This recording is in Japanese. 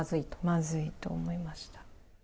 まずいと思いました。